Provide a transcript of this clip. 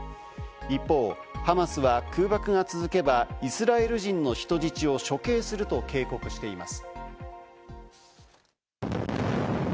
一方、ハマスは空爆が続けばイスラエル人の人質を処刑すると警告しています。